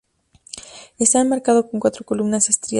Está enmarcado con cuatro columnas estriadas.